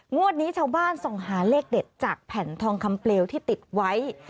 งวดนี้ชาวบ้านส่องหาเลขเด็ดจากแผ่นทองคำเปลวที่ติดไว้